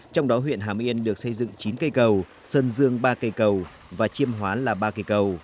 trong đó huyện hàm yên được xây dựng chín cây cầu sơn dương ba cây cầu và chiêm hóa là ba cây cầu